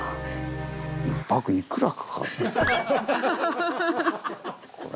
１泊いくらかかるこれ。